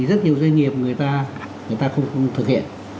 rất nhiều doanh nghiệp người ta không thực hiện